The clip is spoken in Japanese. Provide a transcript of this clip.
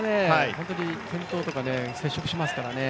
本当に転倒とか接触しますからね。